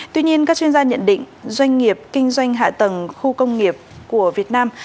tuy nhiên các chuyên gia nhận định doanh nghiệp kinh doanh hạ tầng khu công nghiệp của việt nam